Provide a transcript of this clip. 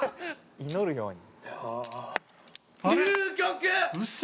「祈るように」流局！